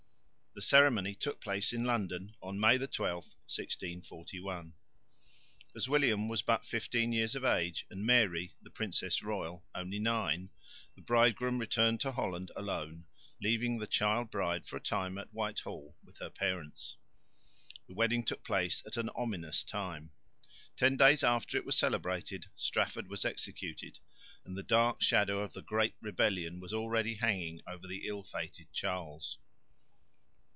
The ceremony took place in London, May 12, 1641. As William was but fifteen years of age and Mary, the princess royal, only nine, the bridegroom returned to Holland alone, leaving the child bride for a time at Whitehall with her parents. The wedding took place at an ominous time. Ten days after it was celebrated Strafford was executed; and the dark shadow of the Great Rebellion was already hanging over the ill fated Charles.